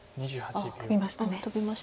あっトビました。